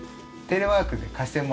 テレワークね。